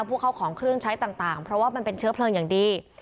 พวกเข้าของเครื่องใช้ต่างเพราะว่ามันเป็นเชื้อเพลิงอย่างดี